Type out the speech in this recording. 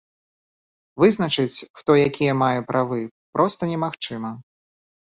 Вызначыць, хто якія мае правы, проста немагчыма.